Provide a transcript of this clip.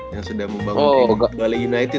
yang selalu membangun comet bali united